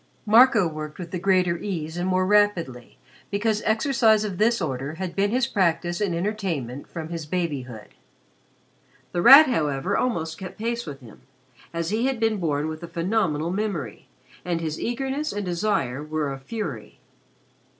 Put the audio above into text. Marco worked with the greater ease and more rapidly, because exercise of this order had been his practice and entertainment from his babyhood. The Rat, however, almost kept pace with him, as he had been born with a phenomenal memory and his eagerness and desire were a fury.